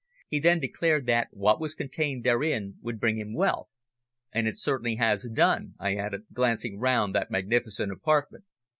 "He then declared that what was contained therein would bring him wealth and it certainly has done," I added, glancing round that magnificent apartment.